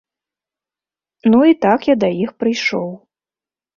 Ну і так я да іх прыйшоў.